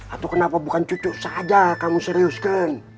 atau kenapa bukan cucu saja kamu serius ceng